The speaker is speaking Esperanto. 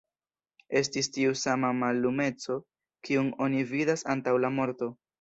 Estis tiu sama mallumeco, kiun oni vidas antaŭ la morto!